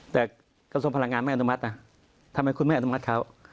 แต่กระทรวงพลังงานไม่อนุมัตินะทำไมคุณไม่อนุมัติเขา